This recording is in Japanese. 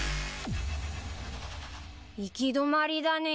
行き止まりだね。